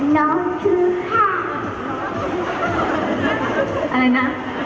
น้องชื่อค่ะ